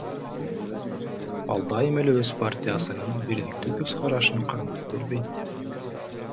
Ал дайым эле өз партиясынын бирдиктүү көз карашын кармана бербейт.